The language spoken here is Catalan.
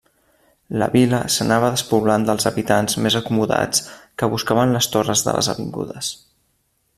La Vila s'anava despoblant dels habitants més acomodats que buscaven les torres de les avingudes.